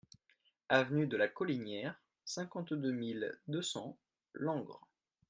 Avenue de la Collinière, cinquante-deux mille deux cents Langres